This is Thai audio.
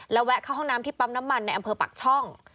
แวะเข้าห้องน้ำที่ปั๊มน้ำมันในอำเภอปากช่อง